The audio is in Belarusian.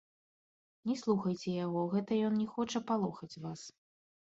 Не слухайце яго, гэта ён не хоча палохаць вас.